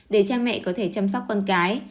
để cha mẹ có thể chăm sóc con cái